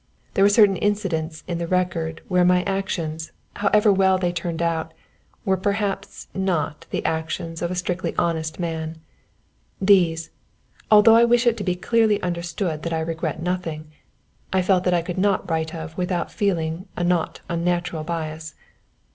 There were certain incidents in the record where my actions, however well they turned out, were perhaps not the actions of a strictly honest man. These (although I wish it to be clearly understood that I regret nothing) I felt that I could not write of without feeling a not unnatural bias.